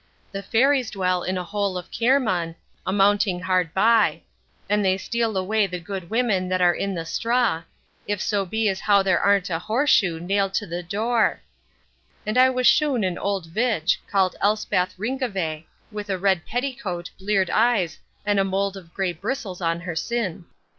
The fairies dwell in a hole of Kairmann, a mounting hard by; and they steal away the good women that are in the straw, if so be as how there a'n't a horshoe nailed to the door: and I was shewn an ould vitch, called Elspath Ringavey, with a red petticoat, bleared eyes, and a mould of grey bristles on her sin.